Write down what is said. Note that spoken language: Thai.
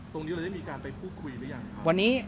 ตรงนี้เราจะมีการไปพูดคุยหรือยังครับ